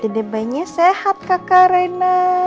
dede bayinya sehat kakak reina